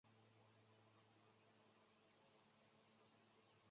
雷彭斯特是德国下萨克森州的一个市镇。